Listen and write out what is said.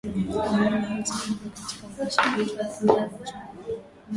ambayo ilete ladha katika maisha ya watu lakini kama chumvi hiyo